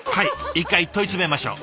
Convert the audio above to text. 一回問い詰めましょう。